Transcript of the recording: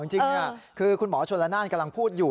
จริงคือคุณหมอชนละนานกำลังพูดอยู่